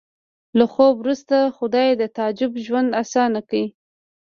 له خوب وروسته خدای د تعجب ژوند اسان کړ